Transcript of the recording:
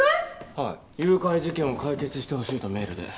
はい誘拐事件を解決してほしいとメールで。